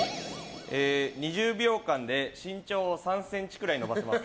２０秒間で身長を３ｃｍくらい伸ばせます。